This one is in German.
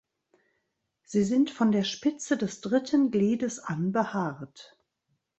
Sie sind von der Spitze des dritten Gliedes an behaart.